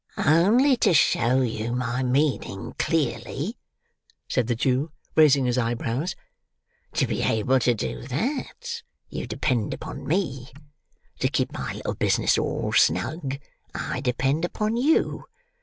"Only to show you my meaning clearly," said the Jew, raising his eyebrows. "To be able to do that, you depend upon me. To keep my little business all snug, I depend upon you.